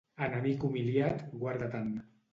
Enemic humiliat, guarda-te'n.